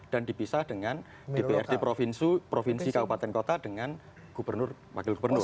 dan dipisah dengan dprd provinsi provinsi kabupaten kota dengan gubernur wakil gubernur